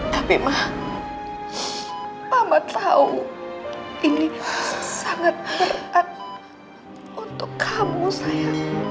tapi ma mama tahu ini sangat berat untuk kamu sayang